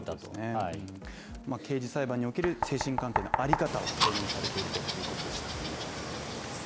刑事裁判における精神鑑定のあり方を提言されているということでした。